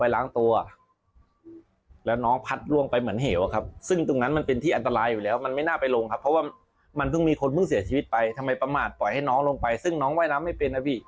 แล้วสนับตรงนั้นมันเป็นยังไงนะพ่อ